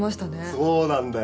そうなんだよ。